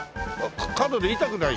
角で痛くない？